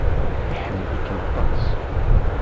Iḥemmel-ikem aṭas.